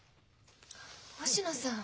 星野さん。